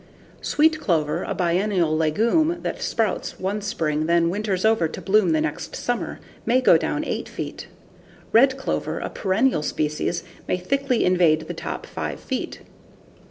Sweet clover, a biennial legume that sprouts one spring then winters over to bloom the next summer, may go down 8 feet. Red clover, a perennial species, may thickly invade the top 5 feet.